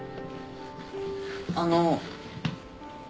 あの。